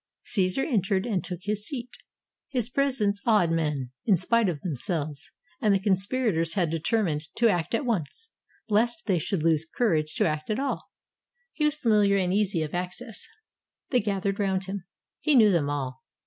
Caesar entered, and took his seat. His presence awed men, in spite of themselves, and the conspirators had determined to act at once, lest they should lose courage to act at all. He was familiar and easy of access. They gathered round him. He knew them all.